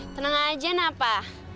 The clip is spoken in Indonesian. tenang aja napa